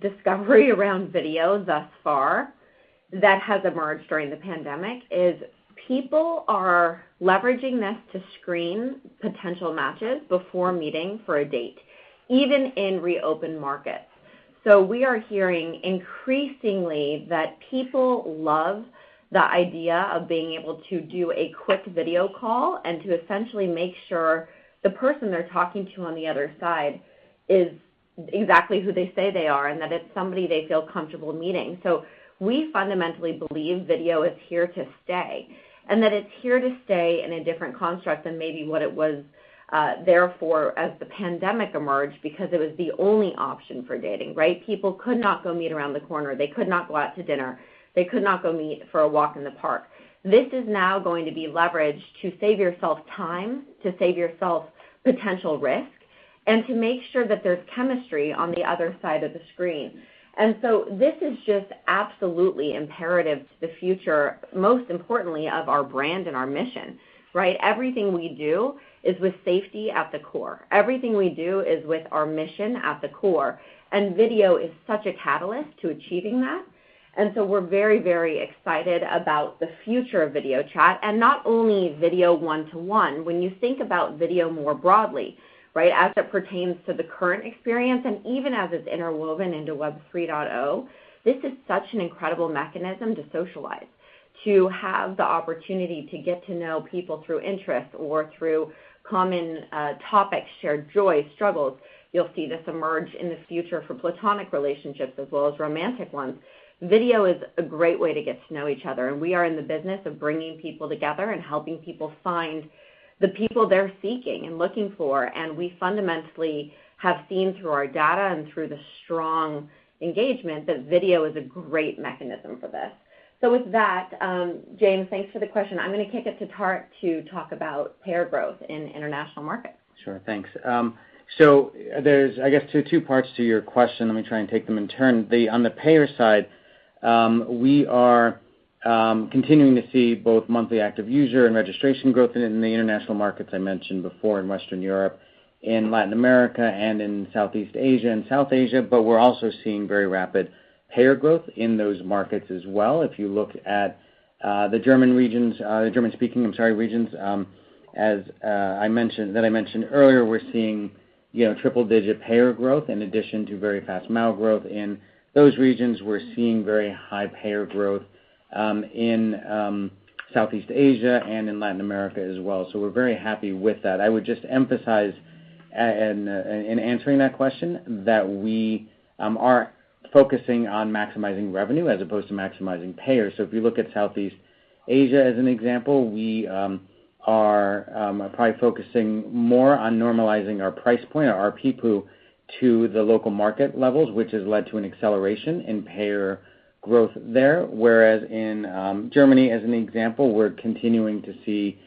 discovery around video thus far that has emerged during the pandemic, is people are leveraging this to screen potential matches before meeting for a date, even in reopened markets. We are hearing increasingly that people love the idea of being able to do a quick video call and to essentially make sure the person they're talking to on the other side is exactly who they say they are and that it's somebody they feel comfortable meeting. We fundamentally believe video is here to stay and that it's here to stay in a different construct than maybe what it was there for as the pandemic emerged because it was the only option for dating, right? People could not go meet around the corner. They could not go out to dinner. They could not go meet for a walk in the park. This is now going to be leveraged to save yourself time, to save yourself potential risk, and to make sure that there's chemistry on the other side of the screen. This is just absolutely imperative to the future, most importantly, of our brand and our mission, right? Everything we do is with safety at the core. Everything we do is with our mission at the core, and video is such a catalyst to achieving that. We're very, very excited about the future of video chat and not only video one-to-one. When you think about video more broadly, right? As it pertains to the current experience and even as it's interwoven into Web 3.0, this is such an incredible mechanism to socialize. To have the opportunity to get to know people through interest or through common topics, shared joys, struggles. You'll see this emerge in the future for platonic relationships as well as romantic ones. Video is a great way to get to know each other, and we are in the business of bringing people together and helping people find the people they're seeking and looking for. We fundamentally have seen through our data and through the strong engagement that video is a great mechanism for this. With that, James, thanks for the question. I'm gonna kick it to Tariq Shaukat to talk about payer growth in international markets. Sure. Thanks. There's, I guess, two parts to your question. Let me try and take them in turn. On the payer side, we are continuing to see both monthly active user and registration growth in the international markets I mentioned before in Western Europe and Latin America and in Southeast Asia and South Asia, but we're also seeing very rapid payer growth in those markets as well. If you look at the German-speaking regions, as I mentioned earlier, we're seeing, you know, triple digit payer growth in addition to very fast MAU growth. In those regions, we're seeing very high payer growth in Southeast Asia and in Latin America as well. We're very happy with that. I would just emphasize and in answering that question, that we are focusing on maximizing revenue as opposed to maximizing payers. If you look at Southeast Asia, as an example, we are probably focusing more on normalizing our price point or our PPOU to the local market levels, which has led to an acceleration in payer growth there. Whereas in Germany, as an example, we're continuing to see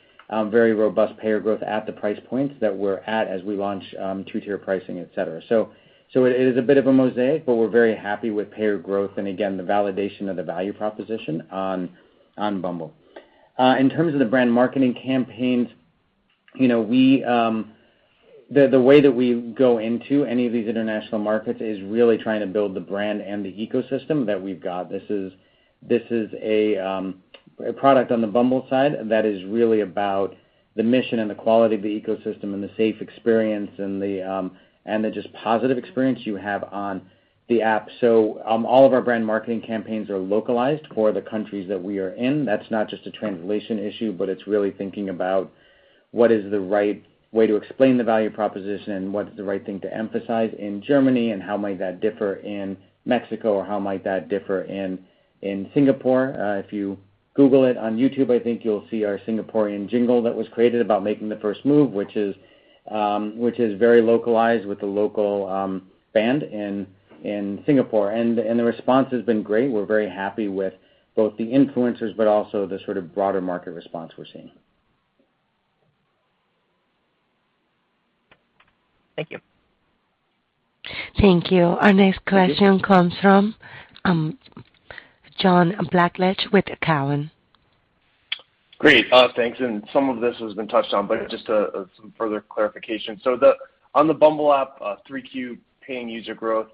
very robust payer growth at the price points that we're at as we launch two-tier pricing, etc. It is a bit of a mosaic, but we're very happy with payer growth and again, the validation of the value proposition on Bumble. In terms of the brand marketing campaigns, you know, we... The way that we go into any of these international markets is really trying to build the brand and the ecosystem that we've got. This is a product on the Bumble side that is really about the mission and the quality of the ecosystem and the safe experience and the just positive experience you have on the app. All of our brand marketing campaigns are localized for the countries that we are in. That's not just a translation issue, but it's really thinking about what is the right way to explain the value proposition and what is the right thing to emphasize in Germany, and how might that differ in Mexico, or how might that differ in Singapore. If you Google it on YouTube, I think you'll see our Singaporean jingle that was created about making the first move, which is very localized with the local band in Singapore. The response has been great. We're very happy with both the influencers, but also the sort of broader market response we're seeing. Thank you. Thank you. Our next question comes from John Blackledge with Cowen. Great. Thanks. Some of this has been touched on, but just some further clarification. On the Bumble app, third quarter paying user growth,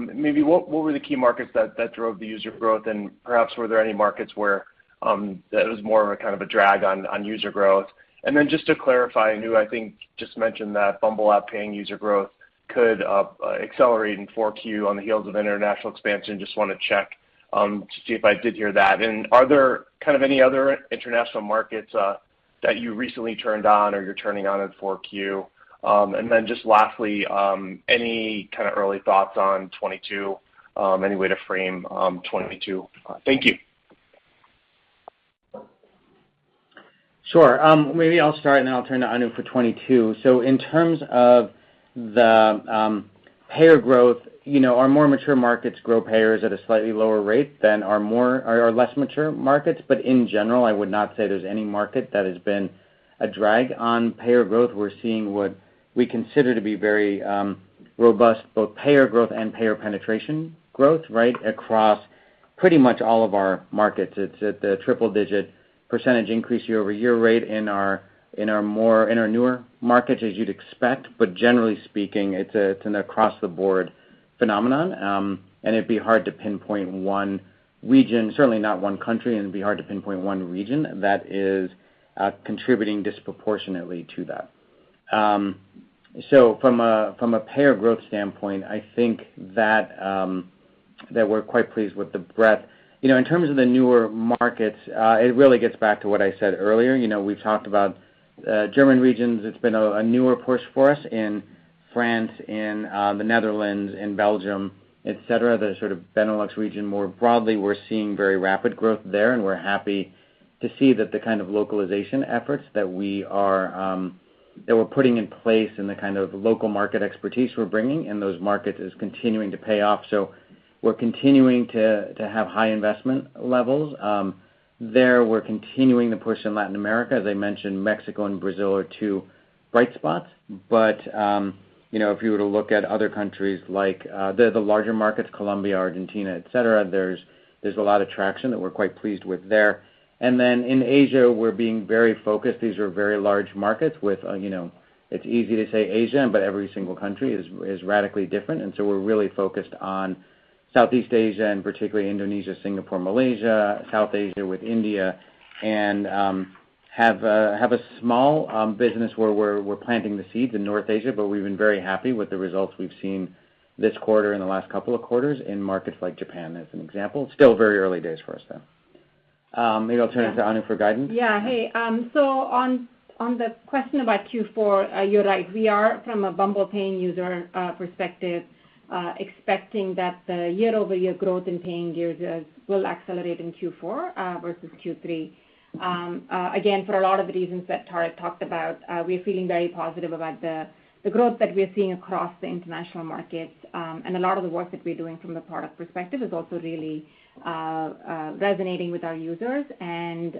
maybe what were the key markets that drove the user growth? Perhaps were there any markets where that was more of a kind of a drag on user growth? Then just to clarify, Anu, I think just mentioned that Bumble app paying user growth could accelerate in fourth quarter on the heels of international expansion. Just wanna check to see if I did hear that. Are there kind of any other international markets that you recently turned on or you're turning on in fourth quarter? Then just lastly, any kind of early thoughts on 2022? Any way to frame 2022? Thank you. Sure. Maybe I'll start and then I'll turn to Anu for 22. In terms of the payer growth, you know, our more mature markets grow payers at a slightly lower rate than our less mature markets. In general, I would not say there's any market that has been a drag on payer growth. We're seeing what we consider to be very robust, both payer growth and payer penetration growth, right, across pretty much all of our markets. It's at the triple-digit percentage increase year-over-year rate in our newer markets, as you'd expect. Generally speaking, it's an across-the-board phenomenon. It'd be hard to pinpoint one region, certainly not one country, that is contributing disproportionately to that. From a payer growth standpoint, I think that we're quite pleased with the breadth. You know, in terms of the newer markets, it really gets back to what I said earlier. You know, we've talked about German regions. It's been a newer push for us in France, in the Netherlands, in Belgium, etc, the sort of Benelux region more broadly. We're seeing very rapid growth there, and we're happy to see that the kind of localization efforts that we're putting in place and the kind of local market expertise we're bringing in those markets is continuing to pay off. We're continuing to have high investment levels. There we're continuing the push in Latin America. As I mentioned, Mexico and Brazil are two bright spots. You know, if you were to look at other countries like the larger markets, Colombia, Argentina, etc, there's a lot of traction that we're quite pleased with there. In Asia, we're being very focused. These are very large markets with you know, it's easy to say Asia, but every single country is radically different. We're really focused on Southeast Asia and particularly Indonesia, Singapore, Malaysia, South Asia with India. We have a small business where we're planting the seeds in North Asia, but we've been very happy with the results we've seen this quarter and the last couple of quarters in markets like Japan, as an example. Still very early days for us, though. Maybe I'll turn it to Anu for guidance. Yeah. Hey, so on the question about Q4, you're right. We are, from a Bumble paying user perspective, expecting that the year-over-year growth in paying users will accelerate in Q4 versus Q3. Again, for a lot of the reasons that Tariq talked about, we're feeling very positive about the growth that we are seeing across the international markets. A lot of the work that we're doing from a product perspective is also really resonating with our users and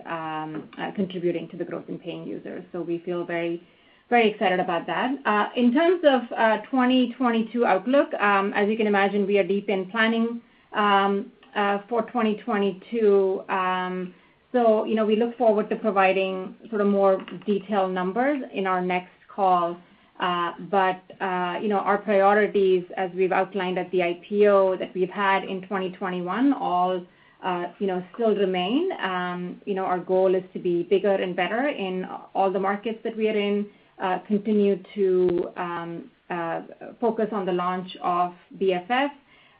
contributing to the growth in paying users. We feel very, very excited about that. In terms of 2022 outlook, as you can imagine, we are deep in planning for 2022. You know, we look forward to providing sort of more detailed numbers in our next call. You know, our priorities, as we've outlined at the IPO that we've had in 2021 all, you know, still remain. You know, our goal is to be bigger and better in all the markets that we are in, continue to focus on the launch of BFF,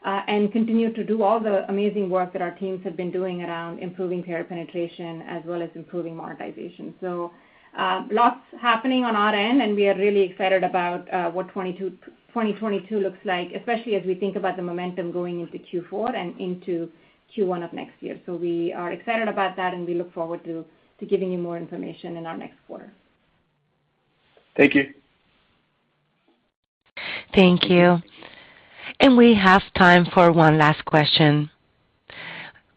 and continue to do all the amazing work that our teams have been doing around improving payer penetration as well as improving monetization. Lots happening on our end, and we are really excited about what 2022 looks like, especially as we think about the momentum going into Q4 and into Q1 of next year. We are excited about that, and we look forward to giving you more information in our next quarter. Thank you. Thank you. We have time for one last question.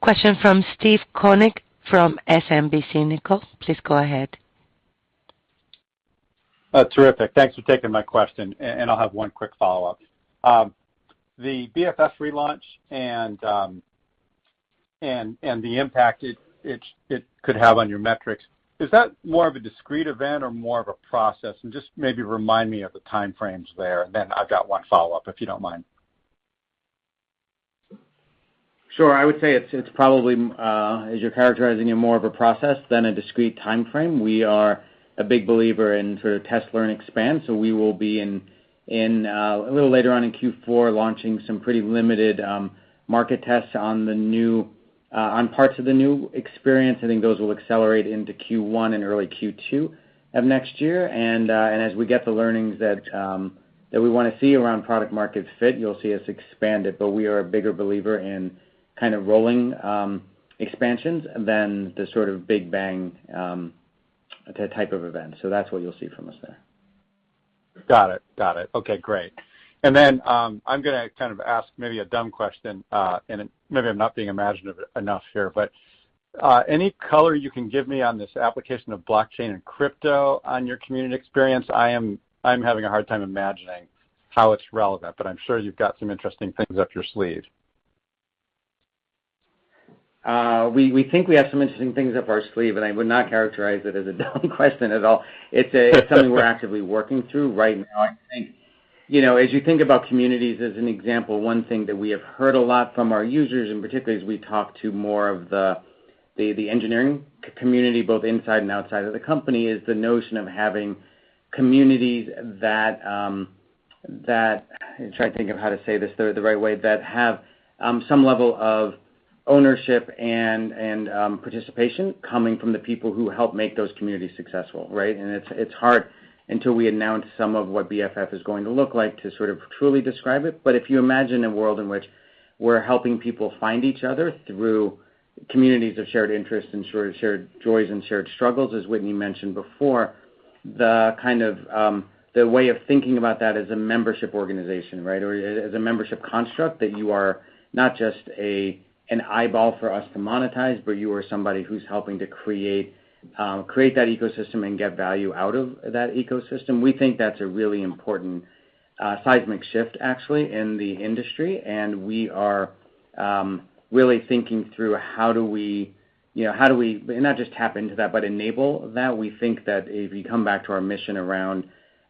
Question from Steve Koenig from SMBC Nikko. Nicole, please go ahead. Terrific. Thanks for taking my question, and I'll have one quick follow-up. The BFF relaunch and the impact it could have on your metrics, is that more of a discrete event or more of a process? Just maybe remind me of the timeframes there. I've got one follow-up, if you don't mind. Sure. I would say it's probably as you're characterizing it, more of a process than a discrete timeframe. We are a big believer in test, learn, expand, so we will be a little later on in Q4 launching some pretty limited market tests on parts of the new experience. I think those will accelerate into Q1 and early Q2 of next year. As we get the learnings that we wanna see around product market fit, you'll see us expand it, but we are a bigger believer in kind of rolling expansions than the sort of big bang type of event. That's what you'll see from us there. Got it. Okay, great. I'm gonna kind of ask maybe a dumb question, and maybe I'm not being imaginative enough here, but any color you can give me on this application of blockchain and crypto on your community experience? I'm having a hard time imagining how it's relevant, but I'm sure you've got some interesting things up your sleeve. We think we have some interesting things up our sleeve, and I would not characterize it as a dumb question at all. It's something we're actively working through right now. I think, you know, as you think about communities as an example, one thing that we have heard a lot from our users, and particularly as we talk to more of the engineering community, both inside and outside of the company, is the notion of having communities that I'm trying to think of how to say this the right way, that have some level of ownership and participation coming from the people who help make those communities successful, right? It's hard until we announce some of what BFF is going to look like to sort of truly describe it. If you imagine a world in which we're helping people find each other through communities of shared interests and sort of shared joys and shared struggles, as Whitney mentioned before, the kind of, the way of thinking about that is a membership organization, right? Or as a membership construct, that you are not just an eyeball for us to monetize, but you are somebody who's helping to create that ecosystem and get value out of that ecosystem. We think that's a really important seismic shift actually in the industry, and we are really thinking through how do we, you know, how do we not just tap into that but enable that. We think that if you come back to our mission around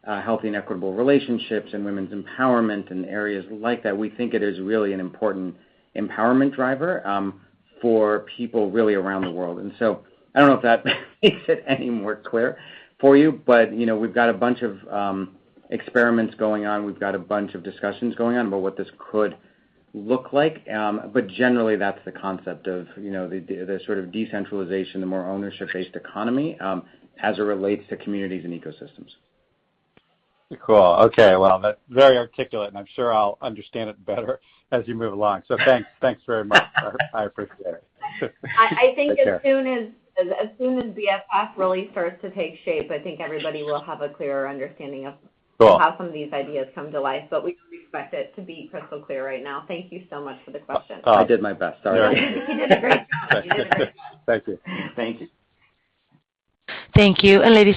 healthy and equitable relationships and women's empowerment and areas like that, we think it is really an important empowerment driver for people really around the world. I don't know if that makes it any more clear for you, but you know, we've got a bunch of experiments going on. We've got a bunch of discussions going on about what this could look like. Generally, that's the concept of, you know, the sort of decentralization, the more ownership-based economy as it relates to communities and ecosystems. Cool. Okay. Well, that's very articulate, and I'm sure I'll understand it better as you move along. Thanks, thanks very much. I appreciate it. I think as soon as Take care. As soon as BFF really starts to take shape, I think everybody will have a clearer understanding of. Cool How some of these ideas come to life, but we expect it to be crystal clear right now. Thank you so much for the question. Oh, I did my best. Sorry. You did a great job. Thank you. Thank you. Thank you. Ladies and gentlemen